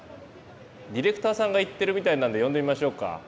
ディレクターさんが行ってるみたいなんで呼んでみましょうか。